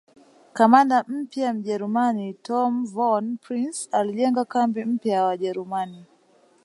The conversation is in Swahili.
Kamanda mpya Mjerumani Tom Von Prince alijenga kambi mpya ya Wajerumani